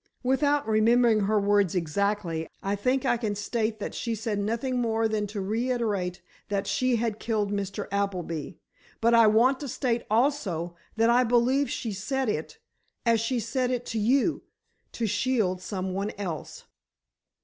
"Without remembering her words exactly, I think I can state that she said nothing more than to reiterate that she had killed Mr. Appleby. But I want to state also, that I believe she said it, as she said it to you, to shield some one else."